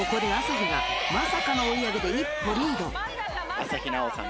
朝日奈央さん。